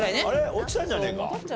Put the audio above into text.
落ちたんじゃねえか？